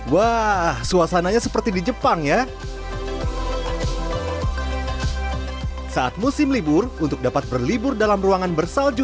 wah suasananya seperti di jepang ya saat musim libur untuk dapat berlibur dalam ruangan bersalju